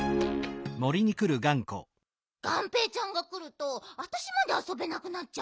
がんぺーちゃんがくるとあたしまであそべなくなっちゃうもん。